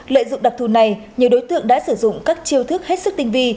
lợi dụng đặc thù này nhiều đối tượng đã sử dụng các chiêu thức hết sức tinh vi